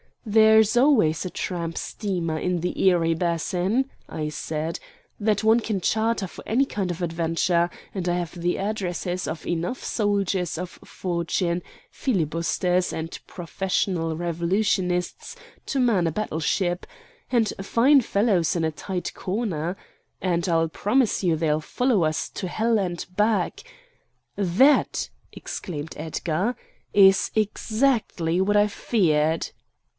"There's always a tramp steamer in the Erie Basin," I said, "that one can charter for any kind of adventure, and I have the addresses of enough soldiers of fortune, filibusters, and professional revolutionists to man a battle ship, all fine fellows in a tight corner. And I'll promise you they'll follow us to hell, and back——" "That!" exclaimed Edgar, "is exactly what I feared!"